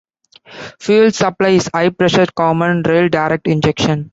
Fuel supply is high-pressure common rail direct injection.